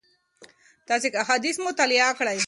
تاسي که احاديث مطالعه کړئ